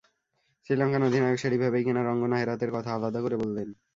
শ্রীলঙ্কান অধিনায়ক সেটি ভেবেই কিনা রঙ্গনা হেরাথের কথা আলাদা করে বললেন।